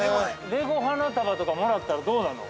◆レゴ花束とかもらったらどうなの？